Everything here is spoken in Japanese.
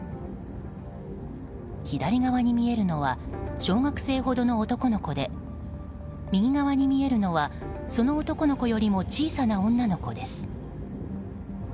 左側に見えるのは小学生ほどの男の子で右側に見えるのはその男の子よりも小さな女の子です。